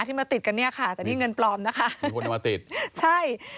มาติดกันเนี่ยค่ะแต่นี่เงินปลอมนะคะมีคนเอามาติดใช่